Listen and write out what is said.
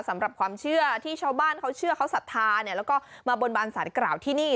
สำหรับความเชื่อที่ชาวบ้านเขาเชื่อเขาศรัทธาเนี่ยแล้วก็มาบนบานสารกล่าวที่นี่